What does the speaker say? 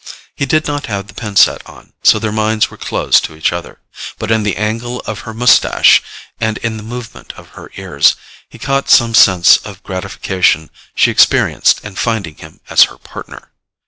He did not have the pin set on, so their minds were closed to each other, but in the angle of her mustache and in the movement of her ears, he caught some sense of gratification she experienced in finding him as her Partner.